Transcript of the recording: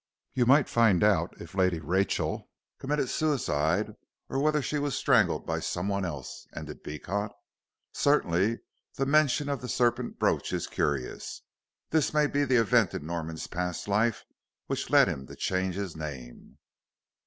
"You might find out if Lady Rachel committed suicide or whether she was strangled by someone else," ended Beecot. "Certainly the mention of the serpent brooch is curious. This may be the event in Norman's past life which led him to change his name."